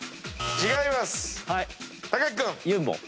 違います。